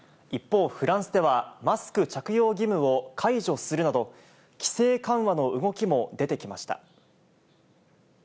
一方、フランスでは、マスク着用義務を解除するなど、規制緩和の動きも出てきました。